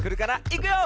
いくよ！